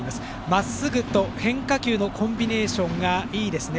まっすぐと変化球のコンビネーションがいいですね。